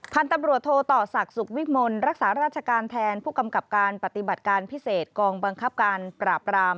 พันธุ์ตำรวจโทต่อศักดิ์สุขวิมลรักษาราชการแทนผู้กำกับการปฏิบัติการพิเศษกองบังคับการปราบราม